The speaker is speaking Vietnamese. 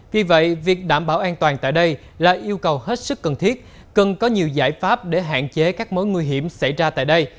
vì vậy việc đảm bảo an toàn tại đây là yêu cầu hết sức cần thiết cần có nhiều giải pháp để hạn chế các mối nguy hiểm xảy ra tại đây